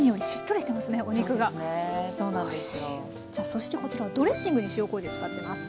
そしてこちらはドレッシングに塩こうじ使ってます。